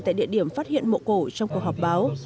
tại địa điểm phát hiện mộ cổ trong cuộc họp báo